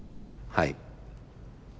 はい。